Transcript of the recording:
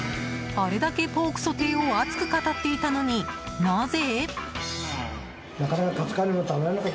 あれだけポークソテーを熱く語っていたのに、なぜ？